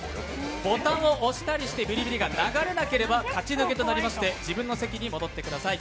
ボタンを押したりしてビリビリが流れなければ勝ち抜けとなりまして自分の席に戻ってください。